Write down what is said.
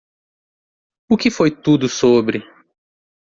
O que foi tudo sobre?